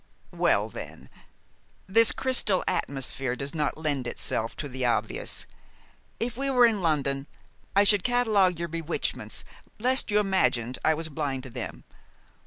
"Well, then, this crystal atmosphere does not lend itself to the obvious. If we were in London, I should catalogue your bewitchments lest you imagined I was blind to them."